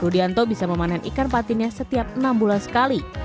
rudianto bisa memanen ikan patinnya setiap enam bulan sekali